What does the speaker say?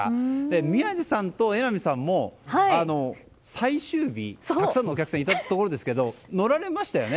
宮司さんと榎並さんも最終日、たくさんのお客さんがいたところですけど乗られましたよね。